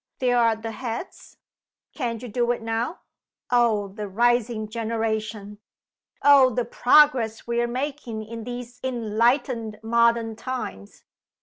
There are the heads. Can't you do it now? Oh, the rising generation! Oh, the progress we are making in these enlightened modern times!